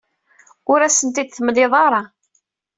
Ur asen-ten-id-temliḍ ara.